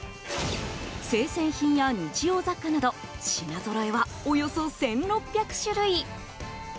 生鮮品や日用雑貨など品ぞろえはおよそ１６００種類。